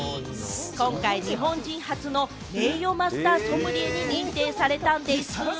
今回、日本人初の名誉マスター・ソムリエに認定されたんです。